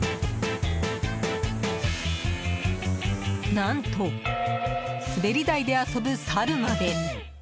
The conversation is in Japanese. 何と、滑り台で遊ぶサルまで。